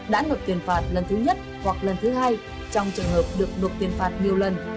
đã nộp tiền phạt lần thứ nhất hoặc lần thứ hai trong trường hợp được nộp tiền phạt nhiều lần